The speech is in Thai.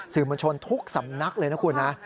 สื่อมวลชนทุกสำนักเลยนะคุณนะ